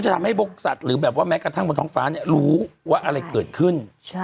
จะทำให้พวกศาติหรือแม้กระทั่งต้องฟ้านี้รู้ว่าอะไรเกิดขึ้น